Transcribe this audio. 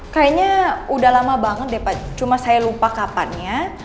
kayaknya udah lama banget deh pak cuma saya lupa kapannya